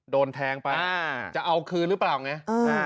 โดนแทงไปจะเอาคืนหรือเปล่าไง